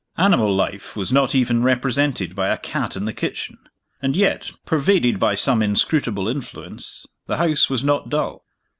Animal life was not even represented by a cat in the kitchen. And yet, pervaded by some inscrutable influence, the house was not dull.